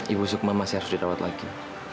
ibu sukma masih harus dirawat lagi